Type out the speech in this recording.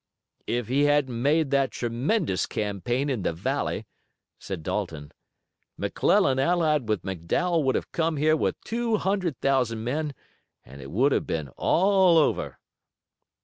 "If he hadn't made that tremendous campaign in the valley," said Dalton, "McClellan allied with McDowell would have come here with two hundred thousand men and it would have been all over."